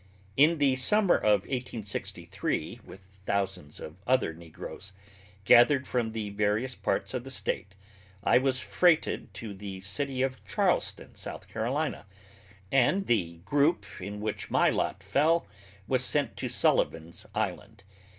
In the summer of 1863 with thousands of other negroes, gathered from the various parts of the state, I was freighted to the city of Charleston, South Carolina, and the group in which my lot fell was sent to Sullivan's Island.